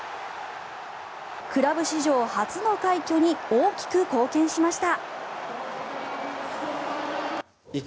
クラブ史上初の快挙に大きく貢献しました。